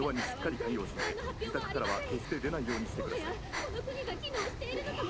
もはやこの国が機能しているのかも。